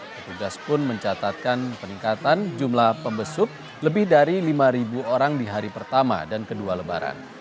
petugas pun mencatatkan peningkatan jumlah pembesuk lebih dari lima orang di hari pertama dan kedua lebaran